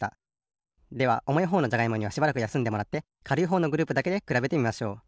ではおもいほうのじゃがいもにはしばらくやすんでもらってかるいほうのグループだけでくらべてみましょう。